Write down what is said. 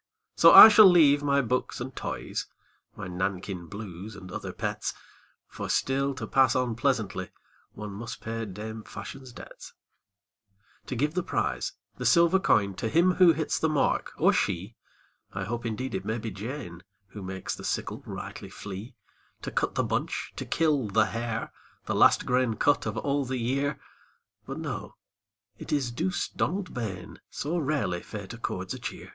So I shall leave my books and toys, My Nankin blues and other pets, For still to pass on pleasantly One must pay dame fashion's debts, To give the prize, the silver coin, To him who hits the mark, or she, I hope indeed it may be Jane, Who makes the sickle rightly flee, To cut the bunch, to kill ' the hare, 1 The last grain cut of all the year : But no, it is douce Donald Bain, So rarely fate accords a cheer